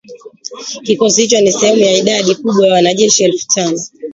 Kikosi hicho ni sehemu ya idadi kubwa ya wanajeshi elfu tano